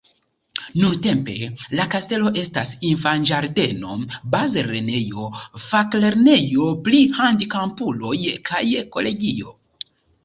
Nuntempe la kastelo estas infanĝardeno, bazlernejo, faklernejo pri handikapuloj kaj kolegio.